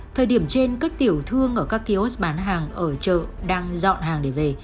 thời điểm trên các tiểu thương ở các kiosk bán hàng ở chợ đang dọn hàng để về